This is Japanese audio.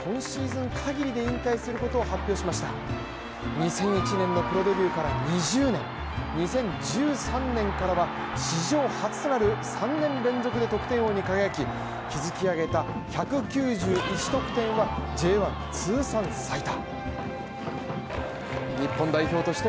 ２００１年のプロデビューから２０年、２０１３年からは史上初となる３年連続で得点王に輝き、築き上げた１９１得点はＪ１通算最多。